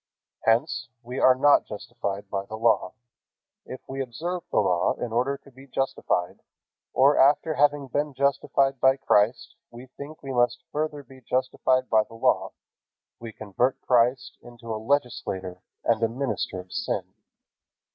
Hence, we are not justified by the Law. If we observe the Law in order to be justified, or after having been justified by Christ, we think we must further be justified by the Law, we convert Christ into a legislator and a minister of sin.